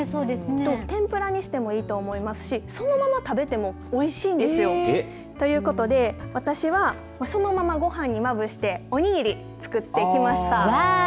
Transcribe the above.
天ぷらにしてもいいと思いますしそのまま食べてもおいしいんですよ。ということで私はそのままご飯にまぶしておにぎり作ってきました。